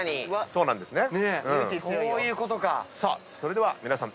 それでは皆さん